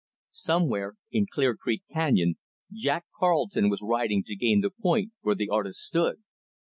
Somewhere in Clear Creek canyon, Jack Carleton was riding to gain the point where the artist stood.